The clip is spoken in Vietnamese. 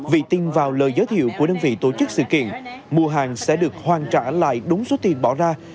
vì tin vào lời giới thiệu của đơn vị tổ chức sự kiện mua hàng sẽ được hoàn trả lại đúng số tiền bỏ ra